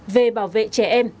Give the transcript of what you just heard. về bảo vệ trẻ em